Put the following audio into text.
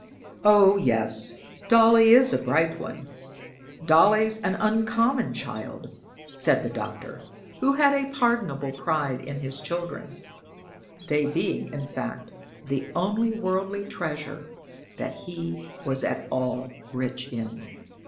"Oh, yes, Dolly is a bright one. Dolly's an uncommon child," said the Doctor, who had a pardonable pride in his children they being, in fact, the only worldly treasure that he was at all rich in.